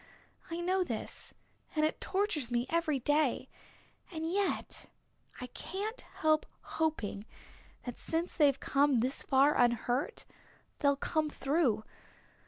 I know this, and it tortures me every day. And yet I can't help hoping that since they've come this far unhurt they'll come through.